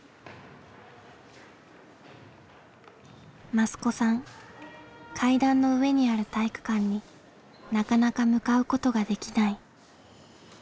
益子さん階段の上にある体育館になかなか向かうことができない。